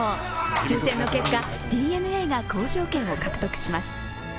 抽選の結果、ＤｅＮＡが交渉権を獲得します。